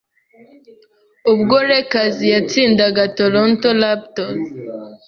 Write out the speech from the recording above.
ubwo Lakers yatsindaga Toronto Raptors